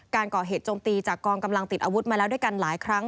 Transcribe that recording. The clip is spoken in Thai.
การก่อเหตุโจมตีจากกองกำลังติดอาวุธมาแล้วด้วยกันหลายครั้ง